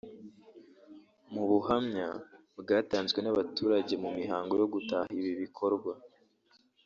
Mu buhamya bwatanzwe n’abaturage mu mihango yo gutaha ibi bikorwa